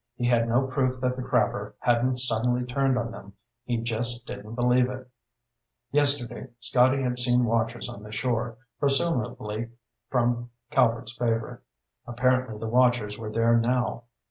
He had no proof that the crabber hadn't suddenly turned on them; he just didn't believe it. Yesterday Scotty had seen watchers on the shore, presumably from Calvert's Favor. Apparently the watchers were there now.